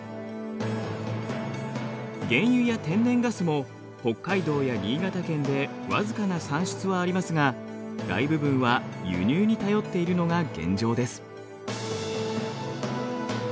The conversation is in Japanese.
原油や天然ガスも北海道や新潟県で僅かな産出はありますが大部分は輸入に頼っているのが現状です。